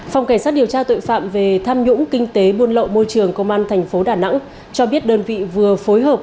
phòng cảnh sát điều tra tội phạm về tham nhũng kinh tế buôn lậu môi trường công an tp đà nẵng cho biết đơn vị vừa phối hợp